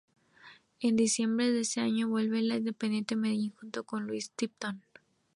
En diciembre de ese año vuelve al Independiente Medellín junto con Luis Tipton.